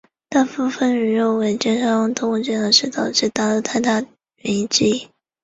大部分的人认为建商偷工减料是导致大楼坍塌原因之一。